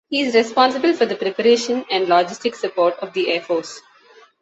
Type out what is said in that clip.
He is responsible for the preparation and logistic support of the air force.